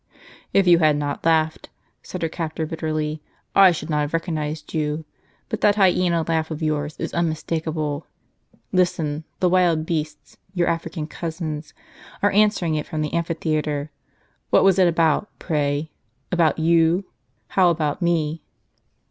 " If you had not laughed," said her captor, bitterly, " I should not have recognized you. But that hyena laugh of yours is unmistakable. Listen, the wild beasts, your African cousins, are answering it from the amphitheatre. What was it about, pray ?"" About you." " How about me